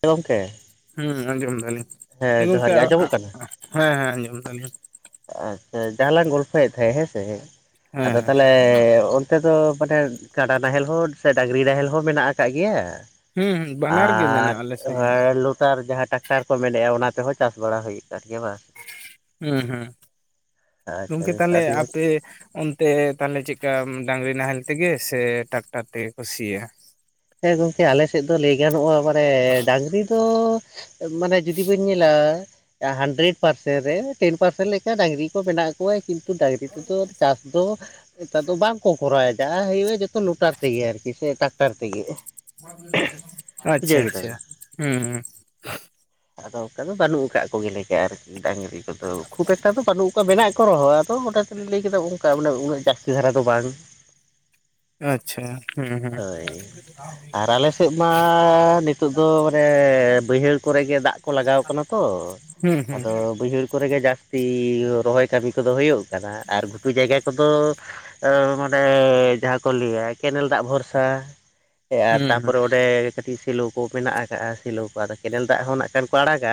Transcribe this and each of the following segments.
ᱦᱮᱸ ᱜᱚᱝᱠᱮ ᱦᱩᱸ ᱟᱸᱡᱚᱢ ᱫᱟᱞᱤᱧ, ᱮᱸ ᱦᱮᱸ ᱡᱚᱦᱟᱨ ᱜᱚᱝᱠᱮ ᱜᱮ ᱟᱸᱡᱚᱢᱚᱜ ᱠᱟᱱᱟ ᱦᱮᱸ ᱦᱮᱸ ᱟᱸᱡᱚᱢ ᱫᱟᱞᱤᱧ᱾ ᱟᱪᱪᱷᱟ ᱡᱟᱦᱟᱸ ᱞᱟᱝ ᱜᱚᱞᱯᱷᱚᱭᱮᱜ ᱛᱟᱦᱮᱸᱫ ᱦᱮᱸᱥᱮ ᱦᱮᱸ ᱟᱫᱚ ᱦᱮᱸ ᱛᱟᱦᱚᱞᱮ ᱛᱮ ᱫᱚ ᱢᱟᱱᱮ ᱠᱟᱰᱟ ᱱᱟᱦᱮᱞ ᱦᱚᱸ ᱥᱮ ᱰᱟᱹᱝᱨᱤ ᱱᱟᱦᱮᱞ ᱦᱚᱸ ᱢᱮᱱᱟᱜ ᱟᱠᱟᱜ ᱜᱮᱭᱟ᱾ ᱦᱩᱸ ᱵᱟᱱᱟᱨ ᱜᱮ ᱟᱨ ᱢᱮᱱᱟᱜᱼᱟ ᱟᱞᱮ ᱥᱮᱱ ᱫᱚ ᱦᱮᱸ ᱞᱚᱴᱟᱨ ᱡᱟᱦᱟᱸ ᱴᱟᱠᱴᱟᱨ ᱠᱚ ᱢᱮᱱᱮᱜᱼᱟ ᱚᱱᱟ ᱛᱮᱦᱚᱸ ᱪᱟᱥ ᱵᱟᱲᱟ ᱦᱩᱭ ᱠᱟᱱ ᱜᱮᱭᱟ ᱵᱟᱝ? ᱦᱩᱸ ᱦᱩᱸ ᱟᱪᱪᱷᱟ ᱜᱚᱝᱠᱮ ᱵᱮᱥ ᱛᱟᱦᱞᱮ ᱟᱹᱰᱤ ᱢᱚᱡᱽ ᱟᱯᱮ ᱚᱱᱛᱮ ᱛᱟᱦᱞᱮ ᱪᱮᱜᱠᱟ ᱰᱟᱝᱨᱤ ᱱᱟᱦᱮᱞ ᱛᱮᱜᱮ ᱥᱮ ᱴᱟᱠᱴᱟᱨ ᱛᱮᱜᱮ ᱠᱚ ᱥᱤᱭᱟ? ᱦᱮᱸ ᱜᱚᱝᱠᱮ ᱟᱞᱮ ᱥᱮᱫ ᱫᱚ ᱞᱟᱹᱭ ᱜᱟᱱᱚᱜᱼᱟ ᱢᱟᱱᱮ ᱰᱟᱝᱨᱤ ᱫᱚ ᱢᱟᱱᱮ ᱡᱩᱫᱤ ᱵᱤᱱ ᱧᱮᱞᱟ ᱦᱟᱱᱰᱨᱮᱰ ᱯᱟᱨᱥᱮᱱ ᱨᱮ ᱴᱮᱱ ᱯᱟᱨᱥᱮᱱ ᱞᱮᱠᱟ ᱰᱟᱝᱨᱤ ᱠᱚ ᱢᱮᱱᱟᱜ ᱠᱚᱣᱟ ᱠᱤᱱ ᱛᱩ ᱰᱟᱹᱝᱨᱤ ᱛᱮᱫᱚ ᱪᱟᱥ ᱫᱚ ᱱᱮᱛᱟᱨ ᱫᱚ ᱵᱟᱝ ᱠᱚ ᱠᱚᱨᱟᱣᱫᱟ ᱦᱩᱭᱩᱜᱼᱟ ᱡᱚᱛᱚ ᱞᱚᱴᱟᱨ ᱛᱮᱜᱮ ᱟᱨᱠᱤ ᱥᱮ ᱴᱟᱠᱴᱟᱨ ᱛᱮᱜᱮ ᱾ [inaudible] ᱟᱪᱪᱷᱟ ᱟᱪᱪᱷᱟ ᱦᱩᱸ ᱦᱩᱸ ᱟᱫᱚ ᱚᱝᱠᱟ ᱫᱚ ᱵᱟᱹᱱᱩᱜ ᱟᱠᱟᱜ ᱠᱚᱜᱮᱞᱤᱧᱟ ᱟᱨᱠᱤ ᱰᱟᱝᱨᱤ ᱠᱚᱫᱚ ᱠᱷᱩᱵ ᱮᱠ ᱴᱟ ᱫᱚ ᱵᱟᱹᱱᱩᱜ ᱠᱚᱣᱟ, ᱢᱮᱱᱟᱜ ᱠᱚ ᱨᱚᱦᱚ ᱟᱫᱚ [inaudible] ᱛᱮᱞᱤᱧ ᱞᱟᱹᱭ ᱠᱮᱫᱟ ᱚᱝᱠᱟ ᱢᱟᱱᱮ ᱩᱱᱟᱹᱜ ᱡᱟᱹᱥᱛᱤ ᱫᱷᱟᱨᱟ ᱫᱚ ᱵᱟᱝ ᱾ [inaudible] ᱟᱪᱪᱷᱟ ᱦᱩᱸ ᱦᱩᱸ᱾ ᱟᱨ ᱟᱞᱮ ᱥᱮᱜ ᱢᱟ ᱱᱤᱛᱚᱜ ᱫᱚ ᱢᱟᱱᱮ ᱵᱟᱹᱭᱦᱟᱹᱲ ᱠᱚᱨᱮᱜ ᱜᱮ ᱫᱟᱜ ᱠᱚ ᱞᱟᱜᱟᱣ ᱠᱟᱱᱟ ᱛᱚ ᱦᱩᱸ ᱦᱩᱸ ᱟᱫᱚ ᱵᱟᱹᱭᱦᱟᱹᱲ ᱠᱚᱨᱮ ᱜᱮ ᱡᱟᱹᱥᱛᱤ ᱨᱚᱦᱚᱭ ᱠᱟᱹᱢᱤ ᱠᱚᱫᱚ ᱦᱩᱭᱩᱜ ᱠᱟᱱᱟ ᱟᱨ ᱜᱷᱩᱴᱩ ᱡᱟᱭᱜᱟ ᱠᱚ ᱫᱚ ᱮ ᱱᱚᱸᱰᱮ ᱡᱟᱦᱟᱸ ᱠᱚ ᱞᱟᱹᱭᱟ ᱠᱮᱱᱮᱞ ᱫᱟᱜ ᱵᱷᱚᱨᱥᱟ ᱮ ᱟᱨ ᱦᱩᱸ ᱦᱩᱸ ᱛᱟᱯᱚᱨᱮ ᱚᱸᱰᱮ ᱠᱟᱹᱴᱤᱡ ᱥᱤᱞᱚ ᱠᱚ ᱢᱮᱱᱟᱜ ᱟᱠᱟᱜᱼᱟ ᱥᱤᱞᱚ ᱠᱚ ᱟᱫᱚ ᱠᱮᱱᱮᱞ ᱫᱟᱜ ᱦᱚᱸ ᱱᱟᱜ ᱠᱷᱟᱱ ᱠᱚ ᱟᱲᱟᱜᱟ